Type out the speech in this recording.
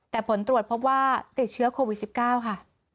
แต่ผลตรวจพบว่าติดเชื้อโควิด๑๙ค่ะ